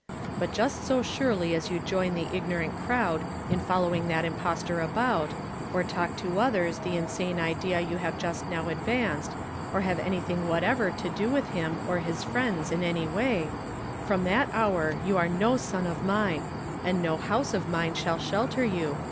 But just so surely as you join the ignorant crov/d in following that impostt)r about, or talk to others the insane idea you have just now advancefl, or have anything whatever to do with him or his friends in any way, from that hour you are no soji p^ mine, and no house of mine shall siifjlter voU; U^...